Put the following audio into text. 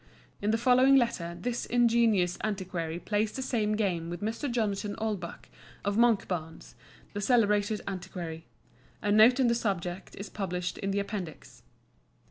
In the following letter this ingenious antiquary plays the same game with Mr. Jonathan Oldbuck, of Monkbarns, the celebrated antiquary. A note on the subject is published in the Appendix.